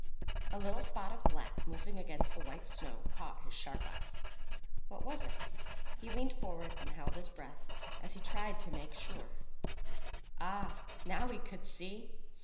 A little spot of black moving against the white snow caught his sharp eyes. What was it? He leaned forward and held his breath, as he tried to make sure. Ah, now he could see!